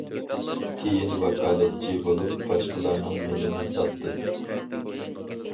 كېيىن ۋاكالەتچى بولۇپ، باشقىلارنىڭ مېلىنى ساتتى.